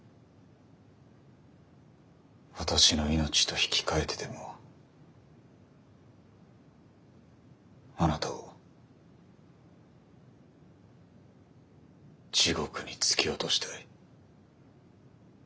私の命と引き換えてでもあなたを地獄に突き落としたい。